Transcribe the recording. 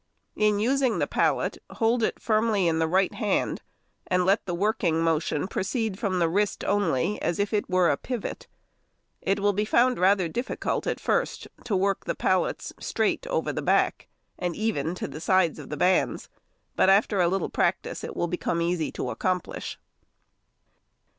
In using the pallet, hold it firmly in the right hand, and let the working motion proceed from the wrist only, as if it were a pivot. It will be |124| found rather difficult at first to work the pallets straight over the back and even to the sides of the bands, but after a little practice it will become easy to accomplish.